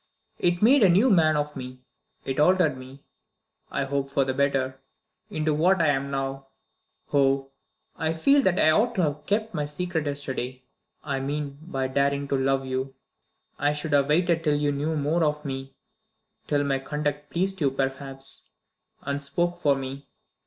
It made a new man of me; it altered me ( I hope for the better) into what I am now. Oh, I feel that I ought to have kept my secret yesterday I mean my daring to love you. I should have waited till you knew more of me; till my conduct pleased you perhaps, and spoke for me.